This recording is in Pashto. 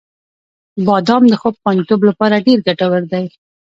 • بادام د خوب خوندیتوب لپاره ډېر ګټور دی.